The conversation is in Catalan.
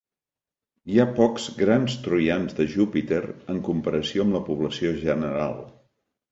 Hi ha pocs grans troians de Júpiter en comparació amb la població general.